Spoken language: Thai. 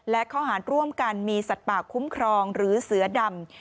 และข้อหารร่วมกันมีสัตว์ป่าคุ้มครองหรือเสือดำ